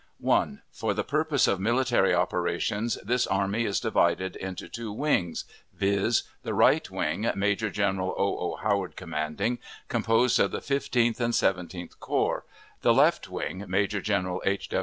For the purpose of military operations, this army is divided into two wings viz.: The right wing, Major General O. O. Howard commanding, composed of the Fifteenth and Seventeenth Corps; the left wing, Major General H.